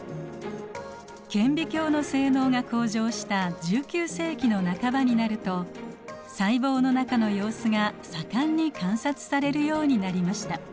顕微鏡の性能が向上した１９世紀の半ばになると細胞の中の様子が盛んに観察されるようになりました。